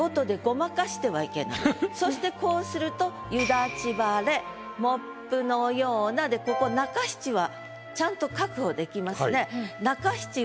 だからそしてこうすると「夕立晴モップのような」でここ中七はちゃんと確保できますね。